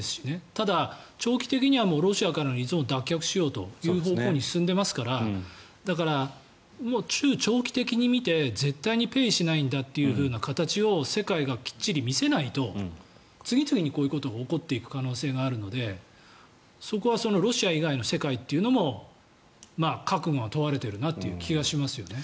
ただ、長期的にはロシアからの依存を脱却しようという方向に進んでいますからだから、中長期的に見て絶対にペイしないんだという形を世界がきっちり見せないと次々にこういうことが起こっていく可能性があるのでそこはロシア以外の世界というのも覚悟が問われているなという気がしますよね。